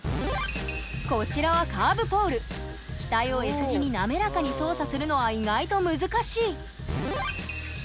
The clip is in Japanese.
こちらは機体をＳ字に滑らかに操作するのは意外と難しい！